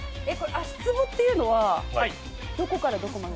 足つぼっていうのはどこからどこまで？